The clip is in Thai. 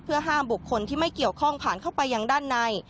ห้ามบุคคลที่ไม่เกี่ยวข้องผ่านเข้าไปยังด้านใน